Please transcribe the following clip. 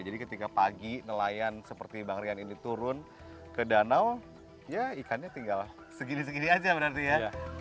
jadi ketika pagi nelayan seperti bang rian ini turun ke danau ya ikannya tinggal segini segini aja berarti ya